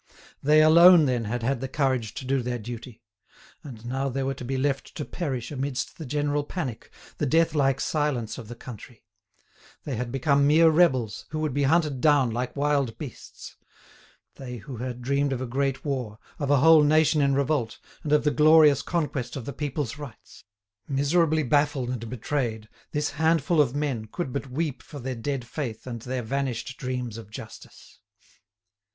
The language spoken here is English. They alone, then, had had the courage to do their duty! And now they were to be left to perish amidst the general panic, the death like silence of the country; they had become mere rebels, who would be hunted down like wild beasts; they, who had dreamed of a great war, of a whole nation in revolt, and of the glorious conquest of the people's rights! Miserably baffled and betrayed, this handful of men could but weep for their dead faith and their vanished dreams of justice.